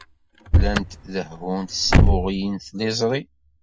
Llant dehhunt s tmuɣli n tliẓri.